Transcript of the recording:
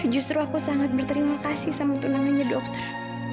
justru aku sangat berterima kasih sama tunangannya dokter